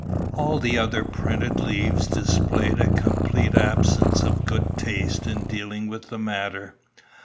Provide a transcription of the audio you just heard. "All the other printed leaves displayed a complete absence of good taste in dealing with the matter.